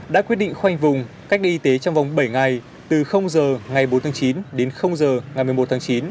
đã quyết định khoanh vùng cách ly y tế trong vòng bảy ngày từ giờ ngày bốn tháng chín đến giờ ngày một mươi một tháng chín